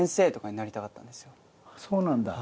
そうなんだ。